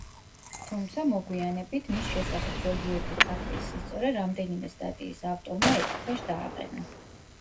თუმცა, მოგვიანებით, მის შესახებ ზოგიერთი ფაქტის სისწორე რამდენიმე სტატიის ავტორმა ეჭვქვეშ დააყენა.